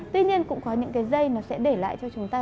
tuy nhiên cũng có những cái dây nó sẽ để lại cho chúng ta